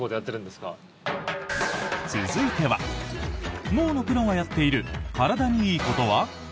続いては脳のプロがやっている体にいいことは？